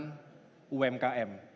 dan juga perusahaan rumahan umkm